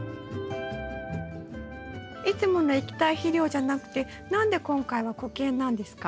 いつもの液体肥料じゃなくて何で今回は固形なんですか？